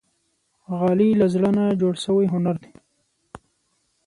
غالۍ له زړه نه جوړ شوی هنر دی.